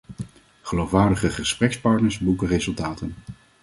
Geloofwaardige gesprekspartners boeken resultaten.